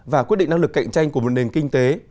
và quyết định năng lực cạnh tranh của một nền kinh tế